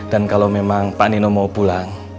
dan kalau memang pak nino mau pulang